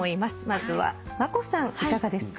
まずはＭＡＫＯさんいかがですか？